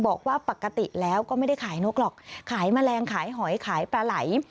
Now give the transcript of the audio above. บอกว่าปกติแล้วก็ไม่ได้ขายนกหรอกขายแมลงขายหอยขายปลาไหล